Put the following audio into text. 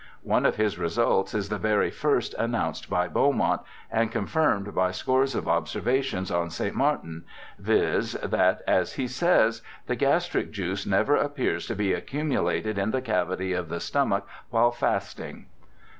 One of his results is the very first announced by Beaumont, and confirmed by scores of observations on St. Martin, viz. that, as he says, ' the gastric juice never appears to be accumulated in the cavity of the stomach while fasting.'